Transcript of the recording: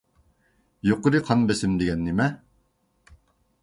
يۇقىرى قان بېسىم دېگەن نېمە؟